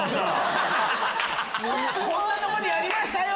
こんなとこにありましたよ！